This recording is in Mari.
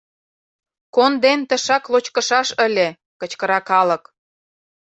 — Конден, тышак лочкышаш ыле! — кычкыра калык.